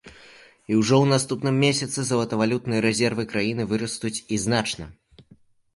І ўжо ў наступным месяцы золатавалютныя рэзервы краіны вырастуць і значна.